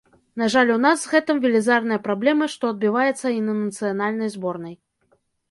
На жаль, у нас з гэтым велізарныя праблемы, што адбіваецца і на нацыянальнай зборнай.